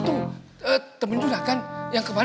tak biasanya mau ngerely